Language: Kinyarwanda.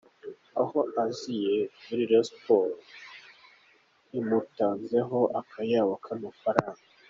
Aho aziye muri Rayon Sports imutanzeho akayabo k’amafaranga .